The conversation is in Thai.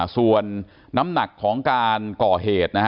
ส่วนน้ำหนักของการก่อเหตุ